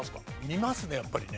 見ますねやっぱりね。